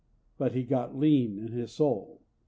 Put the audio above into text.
But he got lean in his soul.